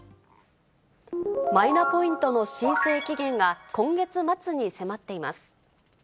マイナポイントの申請期限が今月末に迫っています。